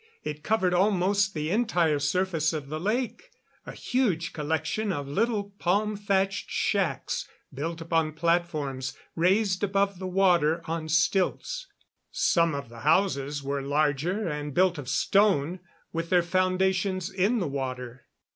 It covered almost the entire surface of the lake a huge collection of little palm thatched shacks built upon platforms raised above the water on stilts. Some of the houses were larger and built of stone, with their foundations in the water.